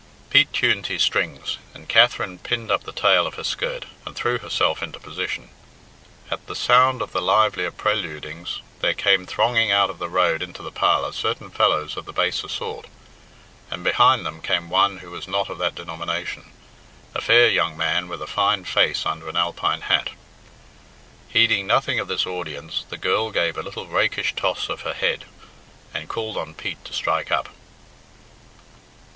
Pete tuned his strings, and Katherine pinned up the tail of her skirt, and threw herself into position. At the sound of the livelier preludings there came thronging out of the road into the parlour certain fellows of the baser sort, and behind them came one who was not of that denomination a fair young man with a fine face under an Alpine hat. Heeding nothing of this audience, the girl gave a little rakish toss of her head and called on Pete to strike up.